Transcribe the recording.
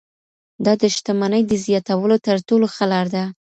دا د شتمنۍ د زیاتولو تر ټولو ښه لار ده.